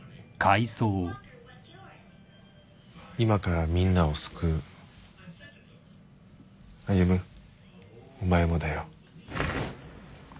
今からみんなを救う歩お前もだよ